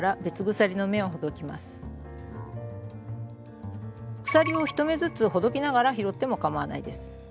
鎖を１目ずつほどきながら拾ってもかまわないです。